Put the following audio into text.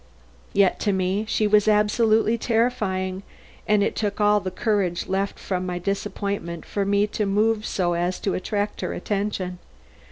Yet to me she was absolutely terrifying, and it took all the courage left from my disappointment for me to move so as to attract her attention.